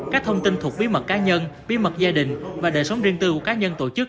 các thông tin thuộc bí mật cá nhân bí mật gia đình và đời sống riêng tư của cá nhân tổ chức